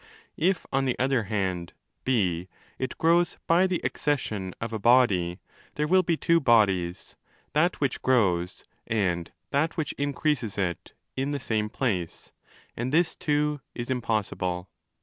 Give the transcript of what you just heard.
If, on the other hand, (4) it grows by the accession of a body, there will be two bodies—that which grows and that which increases it—in the same place: and this too is impossible.